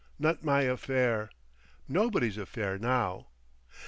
Not my affair. Nobody's affair now.